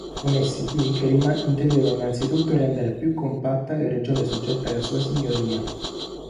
Con essi Pilgrim intendeva innanzitutto rendere più compatta la regione soggetta alla sua signoria.